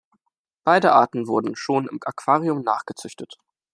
Beide Arten wurden schon im Aquarium nachgezüchtet.